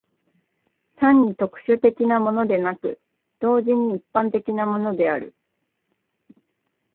単に特殊的なものでなく、同時に一般的なものである。